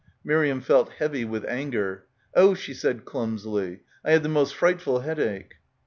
Miriam felt heavy with anger. "Oh," she said clumsily, "I had the most frightful headache."